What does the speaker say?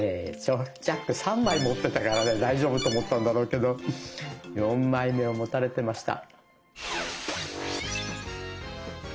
ジャック３枚持ってたからね大丈夫と思ったんだろうけど４枚目を持たれてました。